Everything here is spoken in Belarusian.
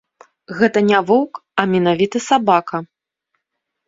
Гэта не воўк, а менавіта сабака.